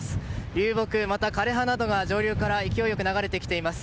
流木、また枯れ葉などが上流から勢いよく流れてきています。